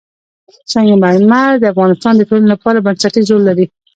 سنگ مرمر د افغانستان د ټولنې لپاره بنسټيز رول لري.